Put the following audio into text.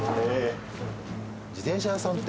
自転車屋さんって。